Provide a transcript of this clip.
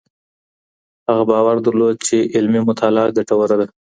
هغه باور درلود چي علمي مطالعه ګټوره ده.